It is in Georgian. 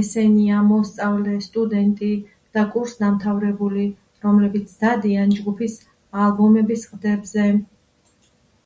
ესენია მოსწავლე, სტუდენტი და კურსდამთავრებული, რომლებიც დადიან ჯგუფის ალბომების ყდებზე.